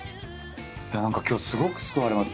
いや何か今日すごく救われます。